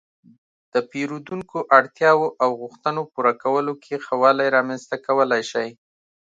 -د پېرېدونکو اړتیاو او غوښتنو پوره کولو کې ښه والی رامنځته کولای شئ